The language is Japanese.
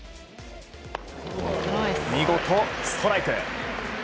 見事、ストライク。